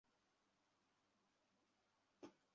তবে এসব অভিমতের কোনটা সঠিক তা মহান আল্লাহই ভালো জানেন।